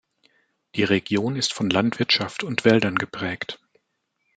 Die Region ist von Landwirtschaft und Wäldern geprägt.